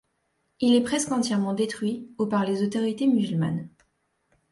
Il est presque entièrement détruit au par les autorités musulmanes.